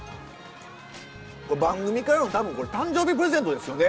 これ番組からの多分誕生日プレゼントですよね。